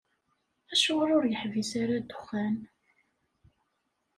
Acuɣer ur yeḥbis ara ddexxan?